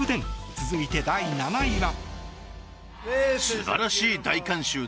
続いて、第７位は。